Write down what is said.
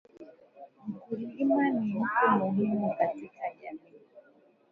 Mkulima ni mtu muhimu katika Jamii